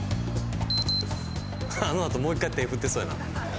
あのあともう一回手振ってそうやな